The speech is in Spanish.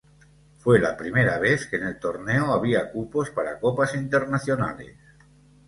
Fue la primera vez que en el Torneo había cupos para Copas Internacionales.